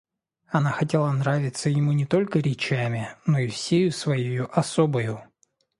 Она хотела нравиться ему не только речами, но и всею своею особою.